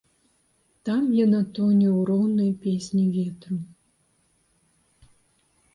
Там яна тоне ў роўнай песні ветру.